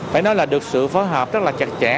phải nói là được sự phối hợp rất là chặt chẽ